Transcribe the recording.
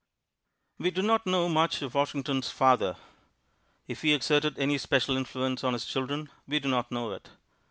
We do not know much of Washington's father: if he exerted any special influence on his children we do not know it.